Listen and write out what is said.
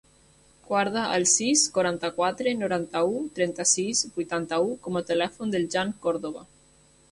Guarda el sis, quaranta-quatre, noranta-u, trenta-sis, vuitanta-u com a telèfon del Jan Cordova.